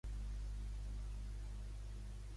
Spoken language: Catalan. Borni de l'ull dret, murri perfet.